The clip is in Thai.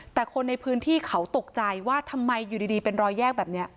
แต่คนในพื้นที่เขาตกใจว่าทำไมอยู่ดีเป็นรอยแยกแบบนี้